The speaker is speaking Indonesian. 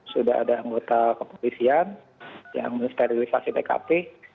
sudah ada anggota kepolisian yang mensterilisasi tkp